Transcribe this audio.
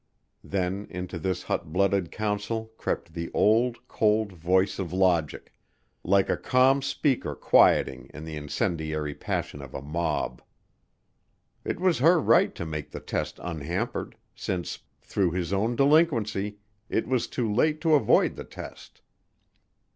Then into this hot blooded counsel crept the old, cold voice of logic, like a calm speaker quieting the incendiary passion of a mob. It was her right to make the test unhampered, since through his own delinquency it was too late to avoid the test.